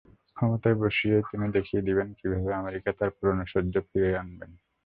ক্ষমতায় বসেই তিনি দেখিয়ে দেবেন কীভাবে আমেরিকা তার পুরোনো শৌর্য ফিরিয়ে আনবে।